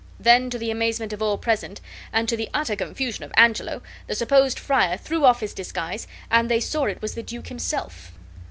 Then, to the amazement of all present, and to the utter confusion of Angelo, the supposed friar threw off his disguise, and they saw it was the duke himself.